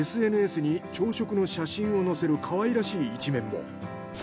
ＳＮＳに朝食の写真をのせるかわいらしい一面も。